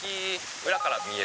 裏から見える。